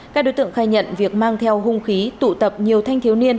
các đối tượng khai nhận việc mang theo hung khí tụ tập nhiều thanh thiếu niên